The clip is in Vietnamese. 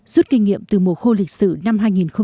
rút kinh nghiệm từ mùa khô lịch sử năm hai nghìn một mươi sáu